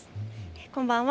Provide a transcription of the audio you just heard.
こんばんは。